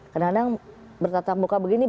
kadang kadang bertatap muka begini